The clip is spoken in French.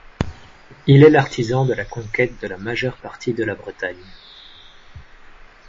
Il est l'artisan de la conquête de la majeure partie de la Bretagne.